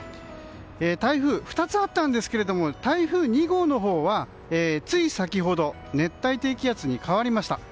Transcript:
台風、２つあったんですが台風２号のほうはつい先ほど熱帯低気圧に変わりました。